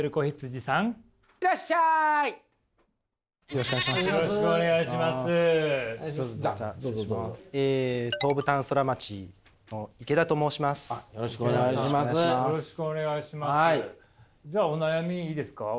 じゃあお悩みいいですか？